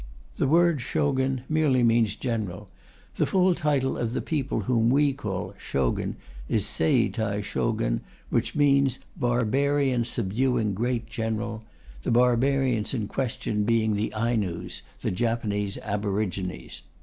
The word "Shogun" merely means "General"; the full title of the people whom we call "Shogun" is "Sei i Tai Shogun," which means "Barbarian subduing great General"; the barbarians in question being the Ainus, the Japanese aborigines.